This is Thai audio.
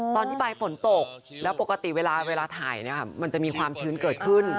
ตอนที่ไปฝนตกแล้วปกติเวลาถ่ายมันจะมีความชื้นเกิดขึ้น